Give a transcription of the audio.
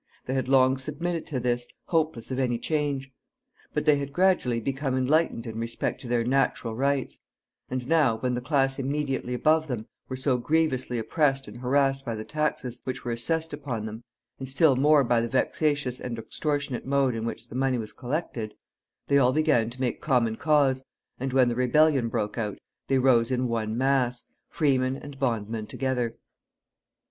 They had long submitted to this, hopeless of any change. But they had gradually become enlightened in respect to their natural rights; and now, when the class immediately above them were so grievously oppressed and harassed by the taxes which were assessed upon them, and still more by the vexatious and extortionate mode in which the money was collected, they all began to make common cause, and, when the rebellion broke out, they rose in one mass, freemen and bondmen together.